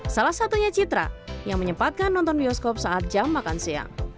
salah satunya citra yang menyempatkan nonton bioskop saat jam makan siang